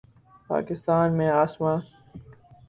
پاکستان میں اسما